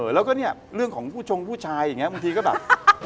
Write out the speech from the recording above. แล้วก็เนี่ยเรื่องของผู้ชงผู้ชายอย่างนี้บางทีก็แบบ